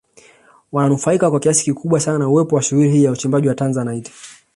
Wananufaika kwa kiasi kikubwa sana na uwepo wa shughuli hii ya uchimbaji wa Tanzanite